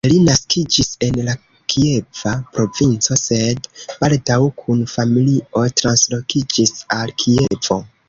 Li naskiĝis en la Kieva provinco, sed baldaŭ kun familio translokiĝis al Kievo.